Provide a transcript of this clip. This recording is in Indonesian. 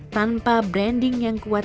tanpa branding yang kuat